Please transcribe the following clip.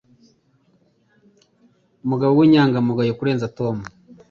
mugabo w'inyangamugayo kurenza Tom.